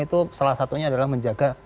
itu salah satunya adalah menjaga